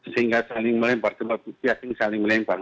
sehingga saling melempar kebetulan pihak ini saling melempar